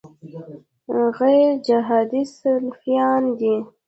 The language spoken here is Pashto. غیرجهادي سلفیان دي.